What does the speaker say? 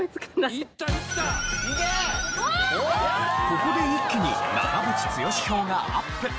ここで一気に長渕剛票がアップ。